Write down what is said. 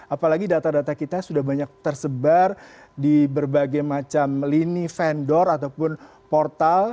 apalagi data data kita sudah banyak tersebar di berbagai macam lini vendor ataupun portal